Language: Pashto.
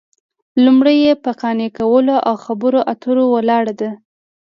لومړۍ یې په قانع کولو او خبرو اترو ولاړه ده